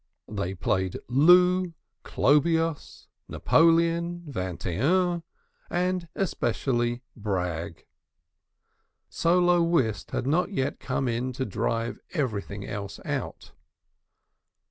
They played Loo, "Klobbiyos," Napoleon, Vingt et un, and especially Brag. Solo whist had not yet come in to drive everything else out.